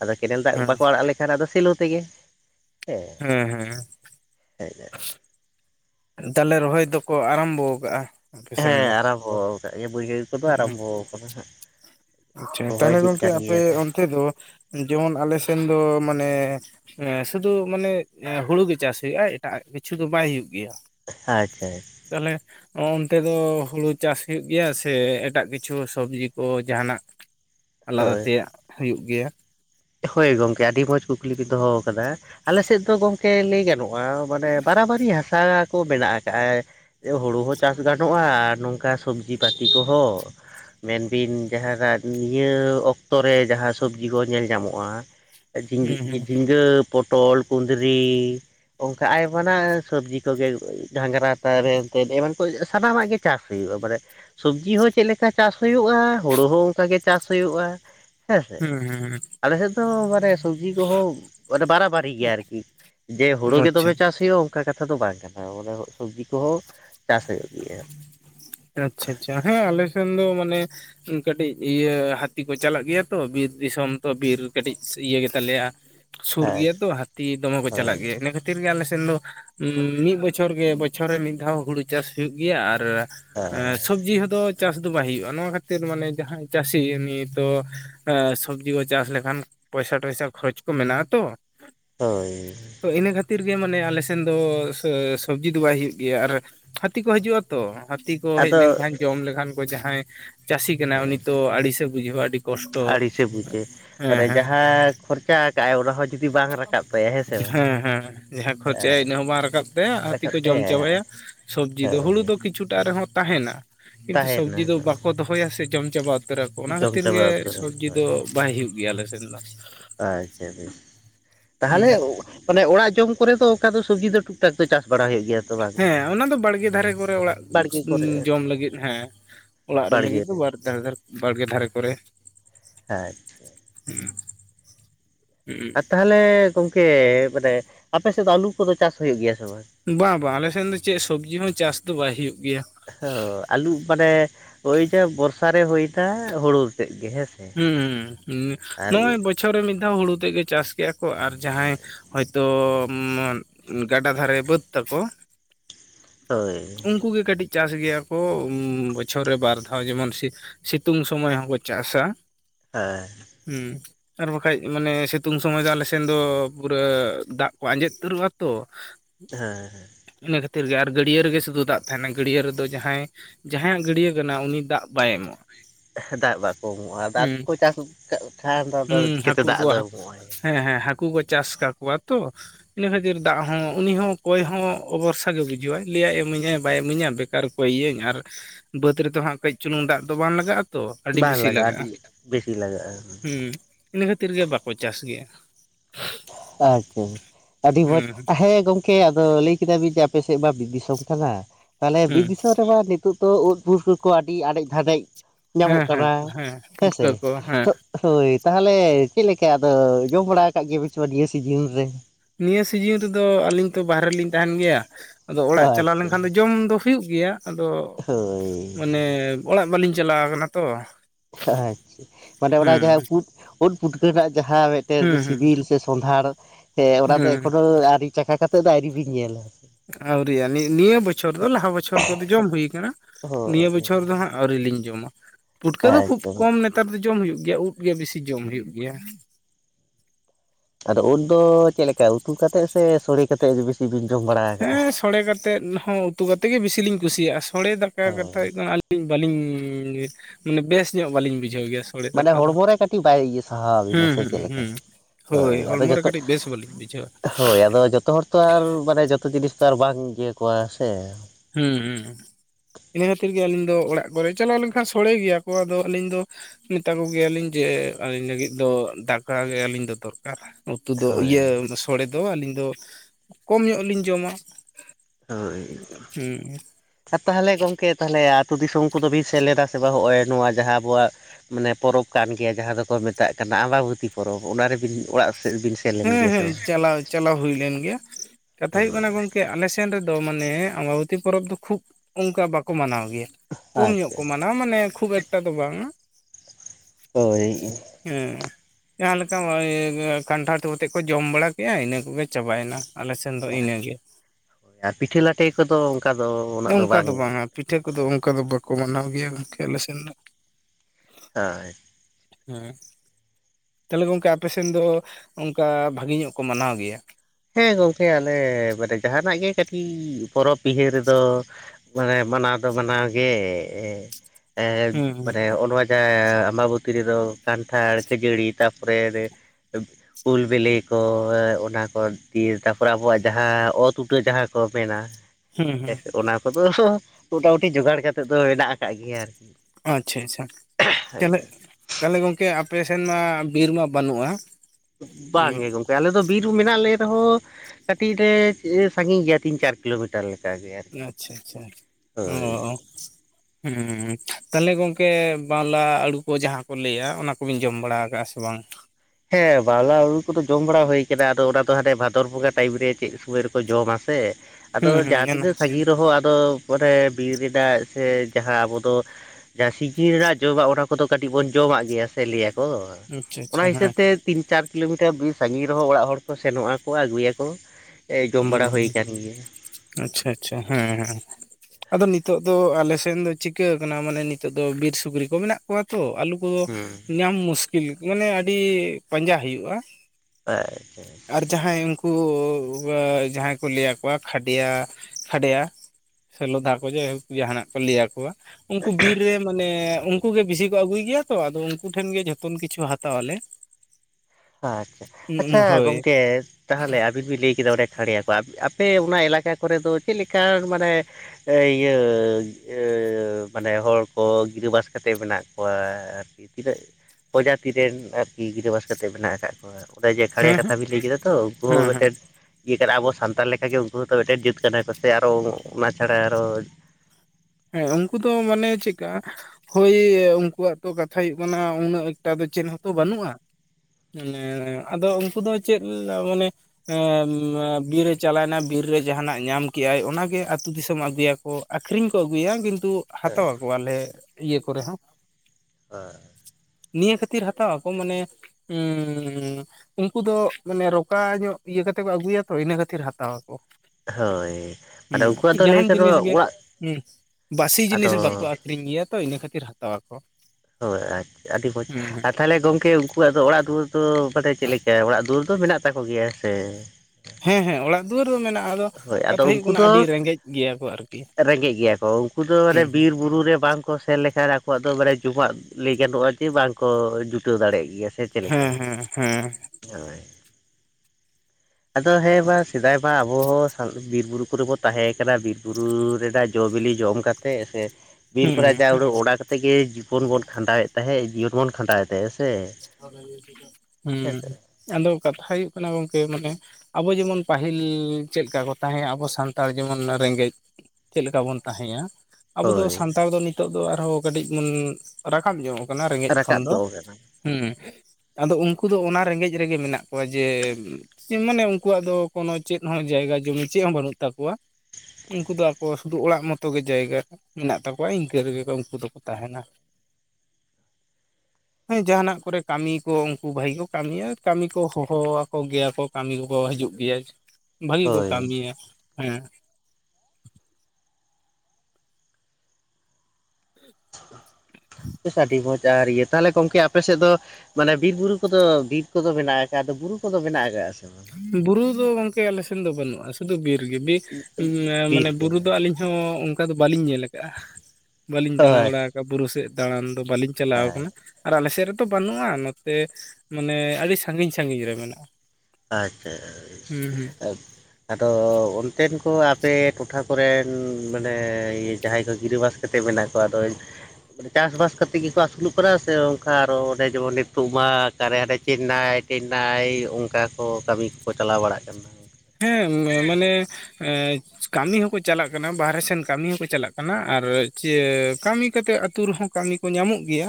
ᱟᱫᱚ ᱠᱮᱱᱮᱞ ᱫᱟᱜ ᱦᱮᱸ ᱵᱟᱠᱚ ᱟᱲᱟᱜ ᱞᱮ ᱮᱠᱷᱟᱱ ᱟᱫᱚ ᱥᱤᱞᱚ ᱛᱮᱜᱮ ᱦᱮᱸ᱾ ᱦᱮᱸ ᱦᱮᱸ [inaudible] ᱛᱟᱞᱮ ᱨᱚᱦᱚᱭ ᱫᱚᱠᱚ ᱟᱨᱟᱢᱵᱚ ᱟᱠᱟᱜ-ᱟ ᱦᱮᱸ ᱟᱨᱟᱢᱵᱚ ᱟᱠᱟᱫ ᱜᱮᱭᱟ ᱵᱟᱹᱭᱦᱟᱹᱲ ᱠᱚᱫᱚ ᱦᱩᱸ ᱟᱨᱟᱢᱵᱚ ᱟᱠᱟᱫᱟ ᱦᱟᱸᱜ ᱟᱪᱪᱷᱟ ᱛᱟᱦᱚᱞᱮ ᱜᱚᱝᱠᱮ ᱟᱯᱮ ᱚᱱᱛᱮ ᱫᱚ ᱡᱮᱢᱚᱱ ᱟᱞᱮ ᱥᱮᱱ ᱫᱚ ᱢᱟᱱᱮ ᱮᱸ ᱥᱩᱫᱷᱩ ᱢᱟᱱᱮ ᱮᱸ ᱦᱩᱲᱩ ᱜᱮ ᱪᱟᱥ ᱦᱩᱭᱩᱜ-ᱟ ᱮᱴᱟᱜ ᱠᱤᱪᱷᱩ ᱫᱚ ᱵᱟᱭ ᱦᱩᱭᱩᱜ ᱜᱮᱭᱟ ᱟᱪᱪᱷᱟ ᱟᱪᱪᱷᱟ ᱛᱟᱦᱚᱞᱮ ᱚ ᱚᱱᱛᱮ ᱫᱚ ᱦᱩᱲᱩ ᱪᱟᱥ ᱦᱩᱭᱩᱜ ᱜᱮᱭᱟ ᱥᱮ ᱮᱴᱟᱜ ᱠᱤᱪᱷᱩ ᱥᱚᱵᱽᱡᱤ ᱠᱚ ᱡᱟᱦᱟᱱᱟᱜ ᱟᱞᱟᱫᱟ ᱦᱳᱭ ᱛᱮᱭᱟᱜ ᱦᱩᱭᱩᱜ ᱜᱮᱭᱟ ᱦᱳᱭ ᱜᱚᱝᱠᱮ ᱟᱹᱰᱤ ᱢᱚᱸᱡᱽ ᱠᱩᱠᱞᱤ ᱵᱤᱱ ᱫᱚᱦᱚ ᱟᱠᱟᱫᱟ ᱟᱞᱮ ᱥᱮᱫ ᱫᱚ ᱜᱚᱝᱠᱮ ᱞᱟᱹᱭ ᱜᱟᱱᱚᱜ ᱱᱚᱣᱟ ᱢᱟᱱᱮ ᱵᱟᱲᱟᱵᱟᱹᱨᱤ ᱦᱟᱥᱟ ᱠᱚ ᱢᱮᱱᱟᱜ ᱟᱠᱟᱫ-ᱟ ᱦᱩᱲᱩ ᱦᱚᱸ ᱪᱟᱥ ᱜᱟᱱᱚᱜ-ᱟ ᱟᱨ ᱱᱚᱝᱠᱟ ᱥᱚᱵᱽᱡᱤ ᱯᱟᱹᱛᱤ ᱠᱚᱦᱚᱸ ᱢᱮᱱ ᱫᱤᱧ ᱡᱟᱦᱟᱱᱟᱜ ᱱᱤᱭᱟᱹ ᱚᱠᱛᱚ ᱨᱮ ᱡᱟᱦᱟᱸ ᱥᱚᱵᱽᱡᱤ ᱠᱚ ᱧᱮᱞ ᱧᱟᱢᱚᱜ ᱟ ᱡᱷᱤᱸᱜᱟᱹ ᱦᱩᱸ ᱦᱩᱸ ᱡᱷᱤᱸᱜᱟᱹ ᱯᱚᱴᱚᱞ ᱠᱩᱸᱫᱽᱨᱤ ᱚᱝᱠᱟ ᱟᱭᱢᱟᱱᱟᱜ ᱥᱚᱵᱽᱡᱤ ᱠᱚᱜᱮ ᱜᱷᱟᱸᱜᱽᱨᱟ ᱛᱟᱨᱮᱱᱛᱮ ᱮᱢᱟᱱ ᱠᱚ ᱥᱟᱱᱟᱢᱟᱜ ᱜᱮ ᱪᱟᱥ ᱦᱩᱭᱩᱜ-ᱟ ᱢᱟᱱᱮ ᱥᱚᱵᱽᱡᱤ ᱦᱚᱸ ᱪᱮᱫ ᱞᱮᱠᱟ ᱪᱟᱥ ᱦᱩᱭᱩᱜ-ᱟ ᱦᱩᱲᱩ ᱦᱚᱸ ᱚᱱᱠᱟᱜᱮ ᱪᱟᱥ ᱦᱩᱭᱩᱜ-ᱟ ᱦᱩᱸ ᱦᱩᱸ ᱟᱞᱮ ᱥᱮᱫ ᱫᱚ ᱢᱟᱱᱮ ᱥᱚᱵᱽᱡᱤ ᱠᱚᱦᱚᱸ ᱢᱮᱱᱮ ᱵᱟᱨᱟ ᱵᱟᱨᱤ ᱜᱮᱭᱟ ᱟᱨᱠᱤ ᱡᱮ ᱦᱩᱲᱳ ᱦᱩᱸ ᱜᱮ ᱟᱪᱪᱷᱟ ᱫᱚᱢᱮ ᱪᱟᱥ ᱦᱩᱭᱩᱜ-ᱟ ᱚᱱᱠᱟ ᱠᱟᱛᱷᱟ ᱫᱚ ᱵᱟᱝ ᱠᱟᱱᱟ ᱢᱚᱱᱮ ᱥᱚᱵᱽᱡᱤ ᱠᱚᱦᱚᱸ ᱪᱟᱥ ᱦᱩᱭᱩᱜ ᱜᱮᱭᱟ ᱟᱪᱪᱷᱟ ᱟᱪᱪᱷᱟ ᱦᱮᱸ ᱟᱞᱮ ᱥᱮᱱ ᱫᱚ ᱢᱟᱱᱮ ᱠᱟᱹᱴᱤᱡ ᱤᱭᱟᱹ ᱦᱟᱹᱛᱤ ᱠᱚ ᱪᱟᱞᱟᱜ ᱜᱮᱭᱟ ᱛᱚ ᱵᱤᱨ ᱫᱤᱥᱚᱢ ᱛᱚ ᱵᱤᱨ ᱠᱟᱹᱴᱤᱡ ᱤᱭᱟᱹ ᱜᱮᱛᱟᱞᱮᱭᱟ ᱥᱩᱨ ᱦᱮᱸ ᱜᱮᱭᱟ ᱛᱚ ᱦᱟᱹᱛᱤ ᱫᱚᱢᱮ ᱠᱚ ᱦᱳᱭ ᱪᱟᱞᱟᱜ ᱜᱮᱭᱟ ᱤᱱᱟᱹ ᱠᱷᱟᱹ ᱛᱤᱨ ᱜᱮ ᱟᱞᱮ ᱥᱮᱱ ᱫᱚ ᱢᱤᱫ ᱵᱚᱪᱷᱚᱨ ᱜᱮ ᱵᱚᱪᱷᱚᱨ ᱨᱮ ᱢᱤᱫ ᱫᱷᱟᱣ ᱦᱩᱲᱩ ᱪᱟᱥ ᱦᱩᱭᱩᱜ ᱜᱮᱭᱟ ᱟᱨ ᱦᱮᱸ ᱥᱚᱵᱽᱡᱤ ᱦᱚᱸᱫᱚ ᱪᱟᱥ ᱫᱚ ᱵᱟᱭ ᱦᱩᱭᱩᱜ-ᱟ ᱱᱚᱣᱟ ᱠᱷᱟᱹᱛᱤᱨ ᱢᱟᱱᱮ ᱡᱟᱦᱟᱸᱭ ᱪᱟᱹᱥᱤ ᱩᱱᱤ ᱫᱚ ᱮ ᱥᱚᱵᱽᱡᱤ ᱠᱚ ᱪᱟᱥ ᱞᱮᱠᱷᱟᱱ ᱯᱚᱭᱥᱟ-ᱴᱚᱭᱥᱟ ᱠᱷᱚᱨᱚᱪ ᱠᱚ ᱢᱮᱱᱟᱜ-ᱟ ᱛᱚ ᱦᱳᱭ ᱛᱚ ᱤᱱᱟᱹ ᱠᱷᱟᱹᱛᱤᱨ ᱜᱮ ᱢᱟᱱᱮ ᱟᱞᱮ ᱥᱮᱱ ᱫᱚ ᱥᱚ ᱥᱚᱵᱽᱡᱤ ᱫᱚ ᱵᱟᱭ ᱦᱩᱭᱩᱜ ᱜᱮᱭᱟ ᱟᱨ ᱦᱟᱹᱛᱤ ᱠᱚ ᱦᱤᱡᱩᱜ-ᱟ ᱛᱚ ᱦᱟᱹᱛᱤ ᱠᱚ ᱦᱮᱡ ᱟᱫᱚ ᱞᱮᱱᱠᱷᱟᱱ ᱡᱚᱢ ᱞᱮᱠᱷᱟᱱ ᱠᱚ ᱡᱟᱦᱟᱸᱭ ᱪᱟᱹᱥᱤ ᱠᱟᱱᱟᱭ ᱦᱳᱭ ᱩᱱᱤ ᱛᱚ ᱟᱹᱲᱤᱥ ᱮ ᱵᱩᱡᱷᱟᱹᱣᱟ ᱟᱹᱰᱤ ᱠᱚᱥᱴᱚ ᱟᱹᱲᱤᱥᱮ ᱵᱩᱡᱮ ᱮᱸ ᱢᱟᱱᱮ ᱦᱮᱸ ᱡᱟᱦᱟᱸ ᱠᱷᱚᱨᱪᱟ ᱠᱟᱜᱼᱟᱭ ᱚᱱᱟ ᱦᱚᱸ ᱡᱩᱫᱤ ᱵᱟᱝ ᱨᱟᱠᱟᱵ ᱛᱟᱭᱟ ᱥᱮ ᱵᱟᱝ ᱦᱮᱸ ᱦᱮᱸ ᱡᱟᱦᱟᱸ ᱠᱷᱚᱨᱪᱟᱭ ᱦᱮᱸ ᱤᱱᱟᱹ ᱦᱚᱸ ᱵᱟᱝ ᱨᱟᱠᱟᱵ ᱛᱟᱭᱟ ᱟᱨ ᱛᱤ ᱨᱟᱠᱟᱵ ᱠᱚ ᱡᱚᱢ ᱛᱟᱭᱟ ᱪᱟᱵᱟᱭᱟ ᱥᱚᱵᱽᱡᱤ ᱫᱚ ᱦᱳᱭ ᱦᱩᱲᱩ ᱫᱚ ᱠᱤ ᱪᱷᱩᱴᱟ ᱨᱮᱦᱚᱸ ᱛᱟᱦᱮᱱᱟ ᱠᱤᱱᱛᱩ ᱛᱟᱦᱮᱱᱟ ᱥᱚᱵᱽᱡᱤ ᱫᱚ ᱵᱟᱠᱚ ᱫᱚᱦᱚᱭᱟ ᱥᱮ ᱡᱚᱢ ᱪᱟᱵᱟ ᱩᱛᱟᱹᱨ ᱟᱠᱚ ᱚᱱᱟ ᱡᱚᱢ ᱠᱷᱟᱹᱛᱤᱨ ᱪᱟᱵᱟ ᱜᱮ ᱩᱛᱟᱹᱨᱟ ᱥᱚᱵᱽᱡᱤ ᱦᱳᱭ ᱫᱚ ᱵᱟᱭ ᱦᱩᱭᱩᱜ ᱜᱮᱭᱟ ᱟᱞᱮ ᱥᱮᱱ ᱫᱚ ᱟᱪᱪᱷᱟ ᱟᱪᱪᱷᱟ ᱛᱟᱦᱚᱞᱮ ᱦᱩᱸ ᱢᱟᱱᱮ ᱚᱲᱟᱜ ᱡᱚᱢ ᱠᱚᱨᱮ ᱫᱚ ᱚᱱᱠᱟ ᱫᱚ ᱥᱚᱵᱽᱡᱤ ᱫᱚ ᱴᱩᱠ ᱴᱟᱠ ᱫᱚ ᱪᱟᱥ ᱵᱟᱲᱟ ᱦᱩᱭᱩᱜ ᱜᱮᱭᱟ ᱛᱚ ᱵᱟᱝ ᱦᱮᱸ ᱚᱱᱟ ᱫᱚ ᱵᱟᱲᱜᱮ ᱫᱷᱟᱨᱮ ᱠᱚᱨᱮ ᱚᱲᱟᱜ ᱵᱟᱲᱜᱮ ᱠᱚᱨᱮ ᱡᱚᱢ ᱞᱟᱹᱜᱤᱫ ᱦᱮᱸ ᱚᱲᱟᱜ ᱨᱮ ᱞᱟᱹᱜᱤᱫ ᱫᱚ ᱵᱟᱨ ᱫᱷᱟᱲ ᱫᱷᱟᱲ ᱵᱟᱲᱜᱮ ᱫᱷᱟᱨᱮ ᱠᱚᱨᱮ ᱦᱮᱸ [unintelligible] ᱟᱨ ᱛᱟᱦᱚᱞᱮ ᱜᱚᱝᱠᱮ ᱢᱟᱱᱮ ᱟᱯᱮ ᱥᱮᱫ ᱫᱚ ᱟᱹᱞᱩ ᱠᱚᱫᱚ ᱪᱟᱥ ᱦᱩᱭᱩᱜ ᱜᱮᱭᱟ ᱥᱮ ᱵᱟᱝ ᱵᱟᱝ ᱵᱟᱝ ᱟᱞᱮ ᱥᱮᱱ ᱫᱚ ᱪᱮᱫ ᱥᱚᱵᱽᱡᱤ ᱦᱚᱸ ᱪᱟᱥ ᱫᱚ ᱵᱟᱭ ᱦᱩᱭᱩᱜ ᱜᱮᱭᱟ ᱦᱚ ᱟᱞᱩ ᱢᱟᱱᱮ ᱱᱚᱜ-ᱚᱭ ᱡᱮ ᱵᱚᱨᱥᱟ ᱨᱮ ᱦᱩᱭᱱᱟ ᱦᱩᱲᱩᱛᱮᱫ ᱜᱮ ᱦᱮᱸᱥᱮ ᱦᱮᱸ ᱟᱨ ᱱᱚᱜ-ᱚᱭ ᱵᱚᱪᱷᱚᱨ ᱨᱮ ᱢᱤᱫ ᱫᱷᱟᱣ ᱦᱩᱲᱩ ᱛᱮᱫ ᱜᱮ ᱪᱟᱥ ᱠᱮᱭᱟ ᱠᱚ ᱟᱨ ᱡᱟᱦᱟᱸᱭ ᱦᱚᱭᱛᱳ ᱜᱟᱰᱟ ᱫᱷᱟᱨᱮ ᱵᱟᱹᱫᱽ ᱛᱟᱠᱚ ᱦᱳᱭ ᱩᱱᱠᱩᱩᱜ ᱜᱮ ᱠᱟᱹᱴᱤᱡ ᱪᱟᱥ ᱜᱮᱭᱟ ᱠᱚ ᱵᱚᱪᱷᱚᱨ ᱨᱮ ᱵᱟᱨ ᱫᱷᱟᱣ ᱡᱮᱢᱚᱱ ᱥᱤᱛᱩᱝ ᱥᱚᱢᱚᱭ ᱦᱚᱸ ᱠᱚ ᱪᱟᱥᱟ᱾ ᱦᱮᱸ᱾ ᱦᱩᱸ᱾ ᱟᱨ ᱵᱟᱠᱷᱟᱡ ᱢᱟᱱᱮ ᱥᱤᱛᱩᱝ ᱥᱚᱢᱚᱭ ᱫᱚ ᱟ ᱞᱮ ᱥᱮᱱ ᱫᱚ ᱯᱩᱨᱟᱹ ᱫᱟᱜ ᱠᱚ ᱟᱸᱡᱮᱫ ᱩᱛᱟᱹᱨᱚᱜᱼᱟ ᱛᱚ, ᱦᱮᱸ ᱦᱮᱸ᱾ ᱤᱱᱟᱹ ᱠᱷᱟᱹᱛᱤᱨ ᱜᱮ ᱟᱨ ᱜᱟᱹᱰᱤᱭᱟ ᱨᱮᱜᱮ ᱥᱩᱫᱩ ᱫᱟᱜ ᱛᱟᱦᱮᱸᱱᱟ ᱜᱟᱹᱰᱤᱭᱟᱹ ᱨᱮᱫᱚ ᱡᱟᱦᱟᱸᱭ, ᱡᱟᱦᱟᱸᱭᱟᱜ ᱜᱟᱹᱰᱤᱭᱟᱹ ᱠᱟᱱᱟ ᱩᱱᱤ ᱫᱟᱜ ᱵᱟᱭ ᱮᱢᱚᱜᱼᱟ᱾ ᱫᱟᱜ ᱵᱟᱠᱚ ᱮᱢᱚᱜᱼᱟ, ᱦᱩᱸ [unintelligible] ᱪᱟᱥ ᱠᱟᱜ ᱠᱷᱟᱱ ᱫᱚ ᱟᱫᱟ ᱦᱩᱸ ᱪᱤᱠᱟᱹᱛᱮ ᱦᱟᱹᱠᱩ ᱫᱟᱜ ᱠᱚ ᱫᱚ ᱮᱢᱚᱜᱼᱟᱭ᱾ ᱦᱮᱸ ᱦᱮᱸ ᱦᱟᱠᱩ ᱠᱚ ᱪᱟᱥ ᱠᱟᱜ ᱠᱚᱣᱟ ᱛᱚ, ᱤᱱᱟᱹ ᱠᱷᱟᱹᱛᱤᱨ ᱫᱟᱜ ᱦᱚᱸ ᱩᱱᱤ ᱦᱚᱸ ᱠᱚᱭ ᱦᱚᱸ ᱚᱵᱚᱨᱥᱟ ᱜᱮ ᱵᱩᱡᱷᱟᱹᱣᱟᱭ ᱞᱟᱹᱭᱟᱭ ᱤᱢᱟᱹᱧᱟᱭ ᱵᱟᱭ ᱤᱢᱟᱹᱧᱟ ᱵᱮᱠᱟᱨ ᱠᱚᱭᱟᱹᱧ ᱟᱨ ᱵᱟᱹᱫᱽ ᱨᱮᱫᱚ ᱦᱟᱸᱜ ᱠᱟᱹᱡ ᱪᱩᱱᱩᱝ ᱫᱟᱜ ᱫᱚ ᱵᱟᱝ ᱞᱟᱜᱟᱜᱼᱟ ᱛᱚ, ᱟᱹᱰᱤ ᱵᱟᱝ ᱵᱮᱥᱤ ᱞᱟᱜᱟᱜᱼᱟ᱾ ᱟᱹᱰᱤ ᱵᱮᱥᱤ ᱞᱟᱜᱟᱜᱼᱟ᱾ ᱦᱩᱸ, ᱤᱱᱟᱹ ᱠᱷᱟᱹᱛᱤᱨ ᱜᱮ ᱵᱟᱠᱚ ᱪᱟᱥ ᱜᱮᱭᱟ᱾ ᱟᱪᱪᱷᱟ, ᱟᱹᱰᱤ ᱢᱚᱸᱡᱽ, ᱦᱩᱸ ᱟ ᱦᱮᱸ ᱜᱚᱝ ᱠᱮ ᱟᱫᱚ ᱞᱟᱹᱭ ᱠᱮᱫᱟ ᱵᱤᱱ ᱡᱮ ᱟᱯᱮ ᱥᱮᱜ ᱢᱟ ᱵᱤᱨ ᱫᱤᱥᱚᱢ ᱠᱟᱱᱟ, ᱛᱟᱦᱚᱞᱮ ᱦᱩᱸ ᱵᱤᱨ ᱫᱤᱥᱚᱢ ᱨᱮᱢᱟ ᱱᱤᱛᱚᱜ ᱛᱚ ᱩᱫ, ᱯᱩᱨᱠᱟᱹ ᱠᱚ ᱟᱹᱰᱤ ᱟᱱᱮᱡ ᱫᱷᱟᱱᱮᱡ, ᱦᱮᱸ ᱧᱟᱢᱚᱜ ᱦᱮᱸ ᱠᱟᱱᱟ ᱦᱮᱸ ᱥᱮ᱾ ᱯᱩᱴᱠᱟᱹ ᱠᱚ ᱦᱮᱸ ᱛᱚ ᱦᱳᱭ ᱛᱟᱦᱚᱞᱮ ᱪᱮᱫ ᱞᱮᱠᱟ ᱟᱫᱚ ᱡᱚᱢ ᱵᱟᱲᱟ ᱟᱠᱟᱜ ᱜᱮᱭᱟ ᱵᱤᱱ ᱪᱮ ᱵᱟᱝ ᱱᱤᱭᱟᱹ ᱥᱤᱡᱤᱱ ᱨᱮ? ᱱᱤᱭᱟᱹ ᱥᱤᱡᱤᱱ ᱨᱮᱫᱚ ᱟᱹᱞᱤᱧ ᱛᱚ ᱵᱟᱨᱦᱨᱮ ᱨᱮᱞᱤᱧ ᱛᱟᱦᱮᱸᱱ ᱜᱮᱭᱟ, ᱟᱫᱚ ᱚᱲᱟᱜ ᱪᱟᱞᱟᱣ ᱟᱪᱪᱷᱟ ᱞᱮᱱᱠᱷᱟᱱ ᱫᱚ ᱡᱚᱢ ᱫᱚ ᱦᱩᱭᱩᱜ ᱜᱮᱭᱟ ᱟᱫᱚ, ᱦᱳᱭ ᱢᱟᱱᱮ ᱚᱲᱟᱜ ᱵᱟᱹᱞᱤᱧ ᱪᱟᱞᱟᱣ ᱠᱟᱱᱟ ᱛᱚ᱾ ᱟᱪᱪᱷᱟ᱾ ᱢᱟᱱᱮ ᱚᱱᱟ ᱦᱩᱸ ᱡᱟᱦᱟᱸ ᱩᱯᱩᱫ, ᱩᱫ ᱯᱩᱴᱠᱟᱹ ᱨᱮᱱᱟᱜ ᱡᱟᱦᱟᱸ ᱢᱤᱫᱴᱮᱱ ᱦᱩᱸ ᱦᱩᱸ ᱥᱤᱵᱤᱞ ᱥᱮ ᱥᱚᱸᱫᱷᱟᱲ ᱥᱮ ᱚᱱᱟ ᱫᱚ ᱦᱩᱸ ᱮᱠᱷᱚᱱᱳ ᱟᱹᱣᱨᱤ ᱪᱟᱠᱟ ᱠᱟᱛᱮᱜ ᱫᱚ ᱟᱹᱣᱨᱤ ᱵᱤᱱ ᱧᱮᱞᱟ᱾ ᱟᱹᱣᱨᱤᱜ-ᱟ ᱱᱤ ᱱᱤᱭᱟᱹ ᱵᱚᱪᱷᱚᱨ ᱫᱚ ᱞᱟᱦᱟ ᱵᱚᱪᱷᱚᱨ ᱠᱚᱫᱚ ᱡᱚᱢ ᱦᱩᱭ ᱠᱟᱱᱟ, ᱱᱤᱭᱟᱹ ᱦᱳᱭ ᱵᱚᱪᱷᱚᱨ ᱫᱚ ᱦᱟᱸᱜ ᱟᱹᱣᱨᱤᱞᱤᱧ ᱡᱚᱢᱟ, ᱯᱩᱴᱠᱟᱹ ᱫᱚ ᱠᱷᱩᱵ ᱟᱪᱪᱷᱟ ᱠᱚᱢ ᱱᱮᱛᱟᱨ ᱫᱚ ᱡᱚᱢ ᱦᱩᱭᱩᱜ ᱜᱮᱭᱟ ᱩᱫ ᱜᱮ ᱵᱮᱥᱤ ᱡᱚᱢ ᱦᱩᱭᱩᱜ ᱜᱮᱭᱟ᱾ ᱟᱫᱚ ᱩᱫ ᱫᱚ ᱪᱮᱫ ᱞᱮᱠᱟ ᱩᱛᱩ ᱠᱟᱛᱮᱫ ᱥᱮ ᱥᱚᱲᱮ ᱠᱟᱛᱮᱫ ᱵᱤᱥᱤ ᱵᱤᱱ ᱡᱚᱢ ᱵᱟᱲᱟ ᱟᱠᱟᱜᱼᱟ? ᱦᱮᱸ ᱥᱚᱲᱮ ᱠᱟᱛᱮᱫ ᱦᱚᱸ ᱩᱛᱩ ᱠᱟᱛᱮ ᱜᱮ ᱵᱤᱥᱤᱞᱤᱧ ᱠᱩᱥᱤᱭᱟᱜᱼᱟ ᱥᱚᱲᱮ ᱫᱟᱠᱟ ᱦᱳᱭ ᱠᱟᱛᱷᱟ ᱦᱩᱭᱩᱜ ᱠᱟᱱᱟ ᱟᱞ ᱤᱧ ᱵᱟᱞᱤᱧ, ᱢᱟᱱᱮ ᱵᱮᱥ ᱧᱚᱜ ᱵᱟᱞᱤᱧ ᱵᱩᱡᱷᱟᱹᱣ ᱜᱮᱭᱟ᱾ ᱥᱚᱲᱮ ᱢᱟᱱᱮ ᱫᱟᱠᱟ ᱫᱚ ᱦᱚᱲᱢᱚ ᱨᱮ ᱠᱟᱹᱴᱤᱡ ᱵᱟᱭ ᱤᱭᱟᱹ ᱥᱟᱦᱟᱣ ᱵᱮᱱᱟ ᱦᱩᱸ ᱥᱮ ᱪᱮᱫ ᱦᱩᱸ ᱞᱮᱠᱟ? ᱦᱩᱸ ᱦᱳᱭ ᱟᱫᱚ ᱦᱚᱲᱢᱚ ᱨᱮ ᱡᱚᱛᱚ ᱠᱟᱹᱴᱤᱡ ᱵᱮᱥ ᱵᱟᱹᱞᱤᱧ ᱵᱩᱡᱷᱟᱹᱣᱟ ᱦᱳᱭ ᱟᱫᱚ ᱡᱚᱛᱚ ᱦᱚᱲ ᱛᱚ ᱟᱨ ᱢᱟᱱᱮ ᱡᱚᱛᱚ ᱡᱤᱱᱤᱥ ᱛᱚ ᱟᱨ ᱵᱟᱝ ᱤᱭᱟᱹ ᱠᱚᱣᱟ ᱥᱮ, ᱦᱩᱸ ᱦᱩᱸ᱾ ᱤᱱᱟᱹ ᱠᱷᱟᱹᱛᱤᱨ ᱜᱮ ᱟᱹᱞᱤᱧ ᱫᱚ ᱚᱲᱟᱜ ᱠᱚᱨᱮ ᱪᱟᱞᱟᱣ ᱞᱮᱱᱠᱷᱟᱱ ᱥᱳᱲᱮ ᱜᱮᱭᱟ ᱠᱚ ᱟᱫᱚ ᱟᱹᱞᱤᱧ ᱫᱚ ᱢᱮᱛᱟ ᱠᱚ ᱜᱮᱭᱟᱞᱤᱧ ᱡᱮ ᱟᱹᱞᱤᱧ ᱞᱟᱹᱜᱤᱫ ᱫᱚ ᱫᱟᱠᱟ ᱜᱮ ᱟᱹᱞᱤᱧ ᱫᱚ ᱫᱚᱨᱠᱟᱨᱟ᱾ ᱩᱛᱩ ᱫᱚ ᱦᱳᱭ ᱤᱭᱟᱹ ᱥᱚᱲᱮ ᱫᱚ ᱟᱹᱞᱤᱧ ᱫᱚ, ᱠᱚᱢ ᱧᱚᱜ ᱞᱤᱧ ᱡᱚᱢᱟ᱾ ᱦᱳᱭ᱾ ᱦᱩᱸ ᱟᱨ ᱛᱟᱦᱚᱞᱮ ᱜᱚᱝᱠᱮ ᱛᱟᱦᱚᱞᱮ ᱟᱛᱩ ᱫᱤᱥᱚᱢ ᱠᱚᱫᱚ ᱵᱤᱱ ᱥᱮᱱ ᱞᱮᱱᱟ ᱥᱮ ᱵᱟᱝ ᱦᱚᱸᱜᱼᱚᱭ ᱱᱚᱣᱟ ᱡᱟᱦᱟᱸ ᱟᱵᱚᱣᱟᱜ ᱢᱟᱱᱮ ᱯᱚᱨᱚᱵᱽ ᱠᱟᱱ ᱜᱮᱭᱟ ᱡᱟᱦᱟᱸ ᱫᱚᱠᱚ ᱢᱮᱛᱟᱜ ᱠᱟᱱᱟ ᱟᱢᱵᱟᱵᱚᱛᱤ ᱯᱚᱨᱚᱵᱽ ᱚᱱᱟ ᱨᱮᱵᱤᱱ ᱚᱲᱟᱜ ᱥᱮᱫ ᱵᱤᱱ ᱥᱮ ᱥᱮᱱ ᱞᱮᱱ ᱦᱮᱸ ᱜᱮᱭᱟ ᱦᱮᱸ ᱵᱟᱝ? ᱪᱟᱞᱟᱣ ᱪᱟᱞᱟᱣ ᱦᱩᱭ ᱞᱮᱱ ᱜᱮᱭᱟ, ᱠᱟᱛᱷᱟ ᱦᱩᱭᱩᱜ ᱦᱳᱭ ᱠᱟᱱᱟ ᱜᱚᱝᱠᱮ ᱟᱞᱮ ᱥᱮᱱ ᱨᱮᱫᱚ ᱢᱟᱱᱮ ᱟᱢᱵᱟᱵᱚᱛᱤ ᱯᱚᱨᱚᱵᱽ ᱫᱚ ᱠᱷᱩᱵ ᱚᱝᱠᱟ ᱵᱟᱠᱚ ᱢᱟᱱᱟᱣ ᱜᱮᱭᱟ, ᱠᱚᱢ ᱧᱚᱜ ᱟᱪᱪᱷᱟ ᱠᱚ ᱢᱟᱱᱟ ᱣ ᱢᱟᱱᱮ ᱠᱷᱩᱵ ᱮᱠᱴᱟ ᱫᱚ ᱵᱟᱝᱟ᱾ ᱦᱳᱭ᱾ ᱦᱮᱸ, ᱡᱟᱦᱟᱸ ᱞᱮᱠᱟ [inaudible] ᱠᱟᱱᱴᱷᱟᱲ ᱛᱩᱜ ᱠᱟᱛᱮᱫ ᱠᱚ ᱡᱚᱢ ᱵᱟᱲᱟ ᱠᱮᱜᱼᱟ ᱤᱱᱟᱹ ᱠᱚᱜᱮ ᱪᱟᱵᱟᱭᱮᱱᱟ, ᱟᱞᱮ ᱥᱮᱱ ᱫᱚ ᱤᱱᱟᱹ ᱜᱮ, ᱟᱨ ᱯᱤᱴᱷᱟᱹ ᱞᱟᱴᱷᱮ ᱠᱚᱫᱚ ᱚᱝ ᱠᱟ ᱫᱚ ᱩᱱᱟᱹᱜ ᱱᱚᱝᱠᱟ ᱵᱟᱝ ᱫᱚ ᱵᱟᱝᱟ ᱯᱤᱴᱷᱟᱹ ᱠᱚᱫᱚ ᱚᱱᱠᱟ ᱫᱚ ᱵᱟᱠᱚ ᱢᱟᱱᱟᱣ ᱜᱮᱭᱟ ᱜᱚᱝᱠᱮ ᱟᱞᱮ ᱥᱮᱱ ᱫᱚ ᱾ ᱦᱳᱭ, ᱦᱩᱸ, ᱛᱟᱞᱮ, ᱜᱚᱝᱠᱮ ᱟᱯᱮ ᱥᱮᱱ ᱫᱚ ᱚᱱᱠᱟ ᱵᱷᱟᱹᱜᱮ ᱧᱚᱜ ᱠᱚ ᱢᱟᱱᱟᱣ ᱜᱮᱭᱟ? ᱦᱮᱸ ᱜᱚᱝᱠᱮ ᱟᱞᱮ ᱢᱟᱱᱮ ᱡᱟᱦᱟᱱᱟᱜ ᱜᱮ ᱠᱟᱹᱴᱤᱡ ᱯᱚᱨᱚᱵᱽ ᱯᱤᱦᱟᱹ ᱨᱮᱫᱚ, ᱢᱟᱱᱮ ᱢᱟᱱᱟᱣ ᱫᱚ ᱢᱟᱱᱟᱣ ᱜᱮ, ᱮ ᱦᱩᱸ [inaudible] ᱦᱩᱸ ᱢᱟᱱᱮ ᱚᱼᱱᱟᱣᱟ ᱡᱟᱦᱟᱸ ᱟᱵᱟᱵᱚᱛᱤ ᱨᱮᱫᱚ ᱠᱟᱱᱴᱷᱟᱲ, ᱠᱷᱟᱹᱡᱟᱹᱲᱤ, ᱛᱟᱯᱚᱨᱮ, ᱨᱮ ᱩᱞ ᱵᱮᱞᱮ ᱠᱚ ᱚᱱᱟ ᱠᱚ, ᱛᱤᱨ ᱛᱟᱯᱚᱨᱮ ᱟᱵᱚᱣᱟᱜ ᱡᱟᱦᱟᱸ ᱚᱛ ᱩᱴᱟᱹ ᱡᱟᱦᱟᱸ ᱠᱚ ᱢᱮᱱᱟ, ᱦᱩᱸ ᱦᱩᱸ ᱚᱱᱟ ᱠᱚᱫᱚ ᱢᱳᱴᱟᱢᱩᱴᱤ ᱡᱚᱜᱟᱲ ᱠᱟᱛᱮᱫ ᱫᱚ ᱢᱮᱱᱟᱜ ᱟᱠᱟᱫ ᱜᱮᱭᱟ ᱟᱨᱠᱤ᱾ ᱟᱪᱪᱷᱟ ᱟᱪᱪᱷᱟ, ᱛᱮᱢᱮᱜ ᱛᱟᱞᱮ ᱜᱚᱝᱠᱮ ᱟᱯᱮ ᱥᱮᱱ ᱢᱟ ᱵᱤᱨ ᱢᱟ ᱵᱟᱹᱱᱩᱜᱼᱟ᱾ ᱵᱟᱝ ᱮ ᱦᱩᱸ ᱜᱚᱝ᱾ ᱟᱞᱮᱫᱚ ᱵᱤᱨ ᱢᱮᱱᱟᱜ ᱞᱮ ᱨᱮᱦᱚᱸ ᱠᱟᱹᱴᱤᱡ ᱞᱮ ᱥᱟᱺᱜᱤᱧ ᱜᱮᱭᱟ ᱛᱤᱱ ᱪᱟᱨ ᱠᱤᱞᱳᱢᱤ ᱴᱟᱨ ᱞᱮᱠᱟᱜᱮ, ᱟᱨᱠᱤ ᱟᱪᱪᱷᱟ ᱟᱪᱪᱷᱟ ᱦᱳᱭ ᱚᱻ [inaudible] ᱛᱟᱞᱮ ᱜᱚᱝᱠᱮ ᱵᱟᱣᱞᱟ ᱟᱹᱲᱩ ᱠᱚ ᱡᱟᱦᱟᱸ ᱠᱚ ᱞᱟᱹᱭᱟ ᱚᱱᱟ ᱠᱚᱵᱤᱱ ᱡᱚᱢ ᱵᱟᱲᱟ ᱟᱠᱟᱜᱼᱟ ᱥᱮ ᱵᱟᱝ? ᱦᱮᱸ ᱵᱟᱣᱞᱟ ᱩᱲᱩ ᱠᱚᱫᱚ ᱡᱚᱢ ᱵᱟᱲᱟ ᱦᱩᱭ ᱠᱟᱱᱟ᱾ᱟᱫᱚ ᱚᱱᱟ ᱫᱚ ᱦᱟ ᱵᱷᱟᱫᱚᱨ ᱵᱚᱸᱜᱟ ᱴᱟᱭᱤᱢ ᱨᱮ ᱪᱮᱫ ᱥᱚᱢᱚᱭ ᱨᱮᱠᱚ ᱡᱚᱢ ᱟᱥᱮ᱾ ᱟᱫᱚ ᱦᱩᱸ ᱦᱩᱸ ᱡᱟᱦᱟᱸᱛᱤᱱᱟᱹᱜ ᱥᱟᱹᱜᱤᱧ ᱨᱮᱦᱚᱸ ᱟᱫᱚ [inaudible] ᱵᱤᱨ ᱨᱤᱱᱟᱜ ᱥᱮ ᱡᱟᱦᱟᱸ ᱟᱵᱚ ᱫᱚ, ᱡᱟᱦᱟᱸ ᱥᱤᱡᱤᱱ ᱨᱮᱱᱟᱜ ᱡᱚᱢᱟᱜ ᱚᱱᱟ ᱠᱚᱫᱚ ᱠᱟᱹᱴᱤᱡ ᱵᱚᱱ ᱡᱚᱢᱟᱜ ᱜᱮᱭᱟ ᱥᱮ, ᱞᱟᱹᱭᱟᱠᱚ ᱟᱪᱪᱷᱟ ᱚᱱᱟ ᱟᱪᱪᱷᱟ ᱦᱮᱸ ᱦᱤᱥᱟᱹᱵ ᱛᱮ ᱛᱤᱱ ᱪᱟᱨ ᱠᱤᱞᱳᱢᱤᱴᱟᱨ ᱵᱤᱨ ᱥᱟᱺᱜᱤᱧ ᱨᱮᱦᱚᱸ ᱚᱲᱟᱜ ᱦᱚᱲ ᱠᱚ ᱥᱮᱱᱚᱜᱼᱟᱠᱚ ᱟᱹᱜᱩᱭᱟᱠᱚ᱾ ᱮᱭ ᱡᱚᱢ ᱵᱟᱲᱟ ᱦᱩᱸ ᱦᱩᱭ ᱟᱠᱟᱱ ᱜᱮᱭᱟ᱾ ᱟᱪᱪᱷᱟ, ᱟᱪᱪᱷᱟ, ᱦᱮᱸ ᱦᱮᱸ ᱟᱫᱚ ᱱᱤᱛᱚᱜ ᱫᱚ ᱟᱞᱮ ᱥᱮᱱ ᱫᱚ ᱪᱤᱠᱟ ᱠᱟᱱᱟ ᱢᱟᱱᱮ ᱱᱤᱛᱚᱜ ᱫᱚ ᱵᱤᱨ ᱥᱩᱠᱨᱤ ᱠᱚ ᱢᱮᱱᱟᱜ ᱠᱚᱣᱟ ᱛᱚ᱾ ᱟᱞᱩ ᱩᱱ ᱠᱚ ᱦᱮᱸ ᱧᱟᱢ ᱢᱩᱥᱠᱤᱞ ᱢᱟᱱᱮ ᱟᱹᱰᱤ ᱯᱟᱸᱡᱟ ᱦᱩᱭᱩᱜᱼᱟ᱾ ᱟᱪᱪᱷᱟ ᱪᱷᱟ, ᱟᱨ ᱡᱟᱦᱟᱸᱭ ᱩᱱᱠᱩ ᱡᱟᱦᱟᱸᱭ ᱠᱚ ᱞᱟᱹᱭᱟᱠᱚᱣᱟ ᱠᱷᱟᱰᱤᱭᱟ ᱠᱷᱟᱰᱭᱟ, ᱥᱮ ᱞᱚᱫᱟ ᱠᱚ ᱡᱟᱦᱟᱱᱟᱜ ᱠᱚ ᱞᱟᱹᱭᱟᱠᱚᱣᱟ ᱩᱱᱠᱩ ᱵᱤᱨ ᱨᱮ, ᱢᱟᱱᱮ ᱩᱝ ᱩᱱᱠᱩᱜᱮ ᱵᱤᱥᱤ ᱠᱚ ᱟᱹᱜᱩᱭ ᱜᱮᱭᱟ ᱛᱚ ᱟᱫᱚ ᱩᱱᱠᱩ ᱴᱷᱮᱱ ᱜᱮ ᱡᱚᱛᱚᱱ ᱠᱤᱪᱷᱩ ᱦᱟᱛᱟᱣ ᱟᱞᱮ᱾ ᱟᱪᱪᱷᱟ, ᱟᱪᱪᱷᱟ ᱦᱳᱭ ᱜᱚᱝᱠᱮ ᱛᱟᱦᱟᱞᱮ ᱟᱹᱵᱤᱱ ᱵᱤᱱ ᱞᱟᱹᱭ ᱠᱮᱫᱟ ᱚᱸᱰᱮ ᱠᱷᱟᱰᱭᱟ ᱠᱚ, ᱟᱯᱮ ᱚᱱᱟ ᱮᱞᱟᱠᱟ ᱠᱚᱨᱮ ᱫᱚ ᱪᱮᱫ ᱞᱮᱠᱟᱱ ᱢᱟᱱᱮ, ᱤᱭᱟᱹ ᱢᱟᱱᱮ ᱦᱚᱲ ᱠᱚ ᱜᱤᱨᱟᱹᱵᱟᱥ ᱠᱟᱛᱮᱫ ᱢᱮᱱᱟᱜ ᱠᱚᱣᱟ᱾ ᱛᱤᱱᱟᱹᱜ ᱯᱨᱚᱡᱟᱛᱤ ᱨᱮᱱ ᱟᱨᱠᱤ ᱜᱤᱨᱟᱹᱵᱟᱥ, ᱛᱮ ᱢᱮᱱᱟᱜ ᱟᱠᱟᱜ ᱠᱚᱣᱟ ᱚᱱᱟ ᱡᱮ, ᱠᱷᱟᱲᱭᱟ ᱦᱮᱸ ᱦᱮᱸ ᱠᱟᱛᱷᱟ ᱵᱮᱱ ᱞᱟᱹᱭ ᱠᱮᱫᱟ ᱛᱚ ᱩᱱᱠᱩ ᱦᱚᱸ ᱦᱮᱸ ᱦᱮᱸ ᱢᱤᱫᱴᱮᱱ ᱤᱭᱟᱹ ᱠᱟᱱᱟ ᱟᱵᱚ ᱥᱟᱱᱛᱟᱲ ᱞᱮᱠᱟᱜᱮ ᱩᱱᱠᱩ ᱦᱚᱸᱛᱚ ᱢᱤᱫᱴᱮᱱ ᱡᱟᱹᱛ ᱠᱟᱱᱟ ᱠᱚ ᱥᱮ ᱟᱨᱚ ᱚᱱᱟ ᱪᱷᱟᱲᱟ ᱟᱨᱚ ᱦᱮᱸ ᱩᱱᱠᱩ ᱫᱚ ᱢᱟᱱᱮ ᱪᱮᱫᱠᱟ, ᱦᱳᱭ ᱩᱱᱠᱩᱣᱟᱜ ᱛᱚ ᱠᱟᱛᱷᱟ ᱦᱩᱭᱩᱜ ᱠᱟᱱᱟ ᱩᱱᱟᱹᱜ ᱮᱠᱴᱟ ᱫᱚ ᱪᱮᱫ ᱦᱚᱸᱛᱚ ᱵᱟᱹᱱᱩᱜᱼᱟ᱾ ᱢᱟᱱᱮ ᱟᱫᱚ ᱩᱱᱠᱩ ᱫᱚ ᱪᱮᱫ ᱢᱟᱱᱮ, [inaudible] ᱵᱤᱨᱮ ᱪᱟᱞᱟᱣ ᱮᱱᱟ ᱵᱤᱨ ᱨᱮ ᱡᱟᱦᱟᱱᱟᱜ ᱧᱟᱢ ᱠᱮᱜᱼᱟᱭ, ᱚᱱᱟᱜᱮ ᱟᱹᱛᱩ ᱫᱤᱥᱚᱢ ᱟᱹᱜᱩᱭᱟᱠᱚ᱾ ᱟᱹᱠᱷᱨᱤᱧ ᱟᱹᱜᱩᱭᱟ ᱠᱤᱱᱛᱩ ᱦᱟᱛᱣ ᱟᱠᱚ ᱟᱞᱮ ᱤᱭᱟᱹ ᱠᱚᱨᱮ ᱦᱚᱸ᱾ ᱟᱨᱻ ᱱᱤᱭᱟᱹ ᱠᱷᱟᱹᱛᱤᱨ ᱦᱟᱛᱟᱣᱟ ᱟᱠᱚ ᱢᱟᱱᱮ [inaudible] ᱩᱱᱠᱩ ᱫᱚ ᱢᱟᱱᱮ ᱨᱚᱠᱟ ᱧᱚᱜ ᱤᱭᱟᱹ ᱠᱟᱛᱮᱫ ᱠᱚ ᱟᱹᱜᱩᱭᱟ ᱛᱚ, ᱤᱱᱟᱹ ᱠᱷᱟᱹᱛᱤᱨ ᱦᱟᱛᱟᱣᱟ ᱟᱠᱚ᱾ ᱦᱳᱭ ᱢᱟᱱᱮ ᱩᱱᱠᱩᱣᱟᱜ ᱫᱚ ᱞᱟᱹᱭ ᱠᱟᱱᱟᱱ ᱚᱲᱟᱜ, ᱦᱩ ᱵᱟᱥᱤ ᱡᱤᱱᱤᱥ ᱵᱟᱠᱚ ᱟᱫᱚ ᱟᱹᱠᱷᱨᱤᱧ ᱜᱮᱭᱟ ᱛᱚ, ᱤᱱᱟᱹ ᱠᱷᱟᱹᱛᱤᱨ ᱦᱟᱛᱟᱣᱟ ᱟᱠᱚ᱾ ᱦᱳᱭ ᱟᱪ, ᱟᱹᱰᱤ ᱢᱚᱡᱽ ᱦᱩᱸ ᱦᱩᱸ ᱟᱨ ᱛᱷᱟᱞᱮ ᱜᱚᱝᱠᱮ ᱩᱱᱠᱩᱣᱟᱜ ᱫᱚ ᱚᱲᱟᱜ ᱫᱩᱣᱟᱹᱨ ᱫᱚ ᱢᱟᱱᱮ ᱪᱮᱫ ᱞᱮᱠᱟ ᱚᱲᱟᱜ ᱫᱩᱣᱟᱹᱨ? ᱫᱚ ᱢᱮᱱᱟᱜ ᱛᱟᱠᱚ ᱜᱮᱭᱟ ᱥᱮ ᱾ ᱦᱮᱸ ᱦᱮᱸ ᱚᱲᱟᱜ ᱫᱩᱣᱟᱹᱨ ᱫᱚ ᱢᱮᱱᱟᱜᱼᱟ ᱟᱫᱚ ᱦᱳᱭ ᱟᱫᱚ ᱠᱟᱛᱷᱟ ᱦᱩᱭᱩᱜ ᱩᱱᱠᱩ ᱠᱟᱱᱟ, ᱫᱚ ᱟᱹᱰᱤ ᱨᱮᱸᱜᱮᱡ ᱜᱮᱭᱟ ᱠᱚ ᱟᱨᱠᱤ ᱾ ᱨᱮᱸᱜᱮᱡ ᱜᱮᱭᱟ ᱠᱚ ᱩᱱᱠᱩ ᱫᱚ ᱨᱮ ᱵᱤᱨ ᱵᱩᱨᱩ ᱨᱮ ᱵᱟᱝ ᱠᱚ ᱥᱮᱱ ᱞᱮᱠᱷᱟᱱ ᱟᱠᱚᱣᱟᱜ ᱫᱚ ᱢᱟᱱᱮ ᱡᱚᱢᱟᱜ ᱞᱟᱹᱭ ᱜᱟᱱᱚᱜᱼᱟ ᱡᱮ ᱵᱟᱝᱠᱚ ᱡᱩᱴᱟᱹᱣ ᱫᱟᱲᱮᱜ ᱜᱮᱭᱟ ᱥᱮ ᱪᱮᱫ ᱞᱮᱠᱟ? ᱦᱮᱸ ᱦᱮᱸ ᱦᱮᱸ ᱦᱳᱭ ᱾ ᱟᱫᱚ ᱦᱮᱸ ᱵᱟ ᱥᱮᱫᱟᱭ ᱢᱟ ᱟᱵᱚ ᱦᱚᱸ ᱵᱤᱨ ᱵᱩᱨᱩ ᱠᱚᱨᱮ ᱵᱚ ᱛᱟᱦᱮᱸ ᱠᱟᱱᱟ᱾ᱵᱤᱨ ᱵᱩᱨᱩ ᱨᱮᱱᱟᱜ ᱡᱚᱼᱵᱤᱞᱤ ᱡᱚᱢ ᱠᱟ ᱠᱟᱛᱮᱫ ᱥᱮ ᱵᱤᱨ ᱦᱩᱸ ᱠᱷᱚᱱᱟᱜ ᱡᱟ ᱩᱲᱟᱹ ᱚᱱᱟ ᱠᱟᱛᱮᱫᱜ ᱜᱮ ᱡᱤᱵᱚᱱ ᱵᱚᱱ ᱠᱷᱟᱸᱰᱟᱣᱮᱫ ᱛᱟᱦᱮᱸᱜ, ᱡᱤᱭᱚᱱ ᱵᱚᱱ ᱠᱷᱟᱸᱰᱟᱣᱮᱫ ᱛᱟᱦᱮᱸᱫ ᱾ ᱦᱩᱸ, ᱟᱫᱚ ᱠᱟᱛᱷᱟ ᱦᱩᱭᱩᱜ ᱠᱟᱱᱟ ᱜᱚᱝᱠᱮ ᱢᱟᱱᱮ ᱟᱵᱚ ᱡᱮᱢᱚᱱ ᱯᱟᱹᱦᱤᱞ ᱪᱮᱫᱠᱟ ᱠᱚ ᱛᱟᱦᱮᱸᱣᱟ ᱟᱵᱚ ᱥᱟᱱᱛᱟᱲ ᱡᱮᱢᱚᱱ ᱨᱮᱸᱜᱮᱡ ᱪᱮᱫ ᱞᱮᱠᱟ ᱵᱚᱱ ᱛᱟᱦᱮᱸᱭᱟ ᱟᱵᱚ ᱫᱚ ᱦᱳᱭ ᱥᱟᱱᱛᱟᱲ ᱫᱚ ᱱᱤᱛᱚᱜ ᱫᱚ ᱟᱨᱦᱚᱸ ᱠᱟᱹᱴᱤᱡ ᱵᱚᱱ ᱨᱟᱠᱟᱵ ᱧᱚᱜ ᱟᱠᱟᱱᱟ ᱨᱮᱸᱜᱮᱡ ᱠᱷᱚᱱ ᱨᱟᱠᱟᱵ ᱫᱚ ᱾ ᱧᱚᱜ ᱠᱟᱱᱟ ᱦᱩᱸ ᱟᱫᱚ ᱩᱱᱠᱩ ᱫᱚ ᱚᱱᱟ ᱨᱮᱸᱜᱮᱡ ᱨᱮᱜᱮ ᱢᱮᱱᱟᱜ ᱠᱚᱣᱟ ᱡᱮ ᱢᱟᱱᱮ ᱩᱱᱠᱩᱣᱟᱜ ᱫᱚ ᱠᱳᱱᱳ ᱪᱮᱫ ᱦᱚᱸ ᱡᱟᱭᱜᱟ ᱡᱚᱢᱤ ᱪᱮᱫ ᱦᱚᱸ ᱵᱟᱹᱱᱩᱜ ᱛᱟᱠᱚᱣᱟ ᱾ ᱩᱱᱠᱩ ᱫᱚ ᱟᱠᱚ ᱥᱩᱫᱩ ᱚᱲᱟᱜ ᱢᱚᱛᱚ ᱜᱮ ᱡᱟᱭᱜᱟ ᱢᱮᱱᱟᱜ ᱛᱟᱠᱚᱣᱟ, ᱤᱱᱠᱟᱹ ᱨᱮᱜᱮ ᱠᱚ ᱩᱱᱠᱩ ᱫᱚᱠᱚ ᱛᱟᱦᱮᱱᱟ ᱾ ᱦᱮᱸ ᱡᱟᱦᱟᱱᱟᱜ ᱠᱚᱨᱮ ᱠᱟᱹᱢᱤ ᱠᱚ ᱩᱱᱠᱩ ᱵᱷᱟᱜᱤ ᱠᱚ ᱠᱟᱹᱢᱤᱭᱟ, ᱠᱟᱹᱢᱤ ᱠᱚ ᱦᱚᱦᱚ ᱟᱠᱚ ᱜᱮᱭᱟ ᱠᱚ ᱠᱟᱹᱢᱤ ᱠᱚᱠᱚ ᱦᱤᱡᱩᱜ ᱜᱮᱭᱟ ᱾ ᱵᱷᱟᱜᱤ ᱠᱚ ᱦᱳᱭ ᱠᱟᱹᱢᱤᱭᱟ ᱦᱮᱸ ᱾ [inaudible] ᱟᱹᱰᱤ ᱢᱚᱡᱽ ᱟᱨ ᱤᱭᱟᱹ ᱛᱟᱦᱚᱞᱮ ᱜᱚᱝᱠᱮ ᱟᱯᱮ ᱥᱮᱫ ᱫᱚ ᱢᱟᱱᱮ ᱵᱤᱨ ᱵᱩᱨᱩ ᱠᱚᱫᱚ ᱵᱤᱨ ᱠᱚᱫᱚ ᱢᱮᱱᱟᱜ ᱟᱠᱟᱫᱼᱟ, ᱟᱫᱚ ᱵᱩᱨᱩ ᱠᱚᱫᱚ ᱢᱮᱱᱟᱜ ᱟᱠᱟᱫᱼᱟ ᱥᱮ? ᱵᱟᱝ? ᱵᱩᱨᱩ ᱫᱚ ᱜᱚᱢᱠᱮ ᱟᱞᱮ ᱥᱮᱱ ᱫᱚ ᱵᱟᱹᱱᱩᱜᱼᱟ, ᱥᱩᱫᱩ ᱵᱤᱨ ᱜᱮ ᱾ ᱵᱤᱨ ᱵᱤᱨ ᱢᱟᱱᱮ ᱜᱮ ᱵᱩᱨᱩ ᱫᱚ ᱟᱹᱞᱤᱧ ᱦᱚᱸ ᱚᱱᱠᱟ ᱫᱚ ᱵᱟᱹᱞᱤᱧ ᱧᱮᱞ ᱟᱠᱟᱜᱼᱟ, ᱵᱟᱹᱞᱤᱧ ᱫᱟᱬᱟ ᱵᱟᱲᱟ ᱟᱪᱪᱷᱟ ᱟᱠᱟᱜᱼᱟ ᱵᱩᱨᱩ ᱥᱮᱫ ᱫᱟᱬᱟᱱ ᱫᱚ ᱵᱟᱹᱞᱤᱧ ᱪᱟᱞᱟᱣ ᱠᱟᱱᱟ ᱾ ᱟᱨ ᱟᱞᱮ ᱥᱮᱫ ᱨᱮᱛᱚ ᱵᱟᱹᱱᱩᱜᱼᱟ, ᱱᱚᱛᱮ ᱢᱟᱱᱮ ᱟᱹᱰᱤ ᱥᱟᱺᱜᱤᱧ ᱥᱟᱺᱜᱤᱧ ᱨᱮ ᱢᱮᱱᱟᱜᱼᱟ ᱾ ᱟᱪᱪᱷᱟ ᱟᱫᱚ ᱚᱱᱛᱮᱱ ᱠᱚ ᱟᱯᱮ ᱴᱚᱴᱷᱟ ᱠᱚᱨᱮᱱ ᱢᱟᱱᱮ ᱡᱟᱦᱟᱸᱭ ᱠᱚ ᱜᱤᱨᱟᱹ ᱵᱟᱥ ᱠᱟᱛᱮ ᱢᱮᱱᱟᱜ ᱠᱚᱣᱟ ᱟᱫᱚ ᱪᱟᱥ-ᱵᱟᱥ ᱠᱟᱛᱮᱫ ᱜᱮᱠᱚ ᱟᱹᱥᱩᱞᱚᱜ ᱠᱟᱱᱟ? ᱥᱮ ᱚᱱᱠᱟ ᱟᱨᱚ ᱚᱱᱮ ᱡᱮᱢᱚᱱ ᱱᱤᱛᱚᱜ ᱢᱟ ᱚᱠᱟᱨᱮ ᱦᱟᱱᱮ ᱪᱮᱱᱱᱟᱭ ᱪᱮᱱᱱᱟᱭ ᱚᱱᱠᱟ ᱠᱚ ᱠᱟᱹᱢᱤ ᱠᱚᱠᱚ ᱪᱟᱞᱟᱣ ᱵᱟᱲᱟᱜ ᱠᱟᱱᱟ? ᱦᱮᱸ ᱢᱟᱱᱮ ᱮᱸ ᱠᱟᱹᱢᱤ ᱦᱚᱸᱠᱚ ᱪᱟᱞᱟᱜ ᱠᱟᱱᱟ, ᱵᱟᱦᱨᱮ ᱥᱮᱱ ᱠᱟᱹᱢᱤ ᱦᱚᱸᱠᱚ ᱪᱟᱞᱟᱜ ᱠᱟᱱᱟ ᱾ ᱟᱨ ᱪᱮ ᱠᱟᱹᱢᱤ ᱠᱟᱛᱮᱫ ᱟᱹᱛᱩᱳ ᱨᱮᱦᱚᱸ ᱠᱟᱹᱢᱤ ᱠᱚ ᱧᱟᱢᱚᱜ ᱜᱮᱭᱟ,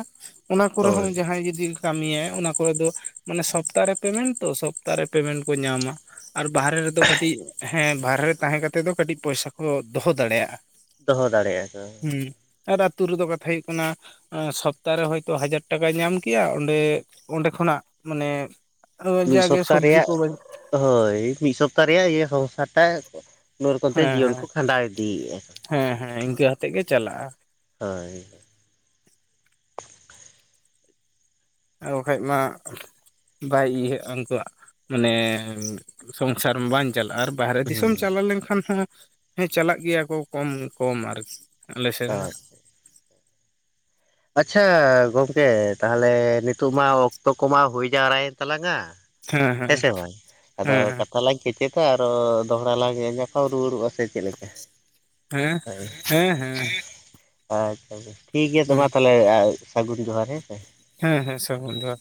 ᱚᱱᱟ ᱠᱚᱨᱮ ᱦᱳᱭ ᱦᱚᱸ ᱡᱟᱦᱟᱸᱭ ᱡᱩᱫᱤ ᱠᱟᱹᱢᱤᱟᱭ ᱚᱱᱟ ᱠᱚᱨᱮ ᱫᱚ ᱢᱟᱱᱮ ᱥᱚᱯᱛᱟᱦᱚ ᱨᱮ ᱯᱮᱢᱮᱴ ᱛᱚ ᱥᱚᱯᱛᱟᱦᱚᱨᱮ ᱯᱮᱢᱮᱱᱴ ᱠᱚ ᱧᱟᱢᱟ ᱾ ᱟᱨ ᱵᱟᱨᱦᱨᱮ ᱨᱮᱫᱚ ᱠᱟᱹᱴᱤᱡ ᱦᱮᱸ ᱵᱟᱨᱦᱨᱮ ᱨᱮ ᱛᱟᱦᱮᱸ ᱠᱟᱛᱮᱫ ᱫᱚ ᱠᱟᱹᱴᱤᱡ ᱯᱚᱭᱥᱟ ᱠᱚ ᱫᱚᱦᱚ ᱫᱟᱲᱮᱭᱟᱜᱼᱟ ᱾ ᱫᱚᱦᱚ ᱫᱟᱲᱮᱭᱟᱜᱼᱟ ᱠᱚ ᱾ ᱦᱩᱸ ᱟᱨ ᱟᱹᱛᱩᱳ ᱨᱮᱫᱚ ᱠᱟᱛᱷᱟ ᱦᱩᱭᱩᱜ ᱠᱟᱱᱟ ᱥᱚᱯᱛᱟᱦᱚᱨᱮ ᱦᱚᱳᱭᱛᱳ ᱦᱟᱡᱟᱨ ᱴᱟᱠᱟᱭ ᱧᱟᱢ ᱠᱮᱭᱟ, ᱚᱸᱰᱮ ᱚᱸᱰᱮ ᱠᱷᱚᱱᱟᱜ ᱢᱟᱱᱮ ᱢᱤᱫ ᱡᱟ ᱜᱮ ᱥᱚᱯᱛᱟ ᱥᱚᱵᱽᱡᱤ ᱨᱮᱭᱟᱜ ᱠᱚᱜᱮ ᱦᱳᱭ, ᱢᱤᱫ ᱥᱚᱯᱛᱟᱦᱚ ᱨᱮᱭᱟᱜ ᱤᱭᱟᱹ ᱥᱚᱝᱥᱟᱨ ᱴᱟᱜ ᱱᱩᱨ ᱠᱚᱛᱮ ᱦᱮᱸ ᱡᱤᱭᱚᱱ ᱠᱚ ᱠᱷᱟᱸᱰᱟᱣ ᱤᱫᱤᱭᱮᱫᱼᱟ ᱦᱮᱸ ᱦᱮᱸ ᱤᱱᱠᱟᱹ ᱟᱛᱮᱫ ᱜᱮ ᱪᱟᱞᱟᱜᱼᱟ ᱾ ᱦᱳᱭ ᱦᱳᱭ ᱾ ᱟᱨ ᱵᱟᱠᱷᱟᱡ ᱢᱟ ᱵᱟᱭ ᱤᱭᱟᱹᱜᱼᱟ ᱩᱱᱠᱩᱣᱟᱜ ᱢᱟᱱᱮ ᱥᱚᱝᱥᱟᱨ ᱵᱟᱝ ᱪᱟᱞᱟᱜᱼᱟ᱾ ᱟᱨ ᱵᱟᱨᱦᱨᱮ ᱫᱤᱥᱚᱢ ᱦᱩᱸ ᱪᱟᱞᱟᱣ ᱞᱮᱱᱠᱷᱟᱱ ᱦᱚᱸ, ᱦᱮᱸ ᱪᱟᱞᱟᱜ ᱜᱮᱭᱟ ᱠᱚ ᱠᱚᱢ ᱠᱚᱢ ᱟᱨ ᱟᱞ ᱥᱮᱱ ᱫᱚ ᱟᱨ ᱾ ᱟᱪᱪᱷᱟ ᱜᱚᱝᱠᱮ ᱛᱟᱦᱚᱞᱮ ᱱᱤᱛᱚᱜ ᱢᱟ ᱚᱠᱛᱚ ᱠᱚᱢᱟ ᱦᱩᱭ ᱡᱟᱣᱨᱟᱭᱮᱱ ᱛᱟᱞᱟᱝᱼᱟ, ᱦᱮᱸ ᱦᱮᱸᱥᱮ ᱵᱟᱝ ᱟᱫᱚ ᱦᱮᱸ ᱦᱮᱸ ᱠᱟᱛᱷᱟ ᱞᱟᱡ ᱠᱮᱪᱮᱫᱟ ᱟᱨᱚ ᱫᱚᱦᱲᱟ ᱞᱟᱝ ᱧᱟᱯᱟᱢ ᱨᱩᱣᱟᱹᱲᱚᱜᱼᱟ ᱥᱮ ᱪᱮᱫ ᱞᱮᱠᱟ? ᱦᱮᱸ ᱦᱮᱸ ᱦᱮᱸ ᱟᱪᱪᱷᱟ ᱴᱷᱤᱠᱜᱮᱭᱟ ᱛᱚᱵ ᱢᱟ ᱦᱮᱸ ᱛᱟᱦᱮᱞᱮ ᱥᱟᱹᱜᱩᱱ ᱡᱚᱦᱟᱨ ᱦᱮᱸᱥᱮ? ᱦᱮᱸ ᱦᱮᱸ ᱥᱟᱹᱜᱩᱱ ᱡᱚᱦᱟᱨ᱾